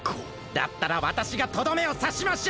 だったらわたしがとどめをさしましょう！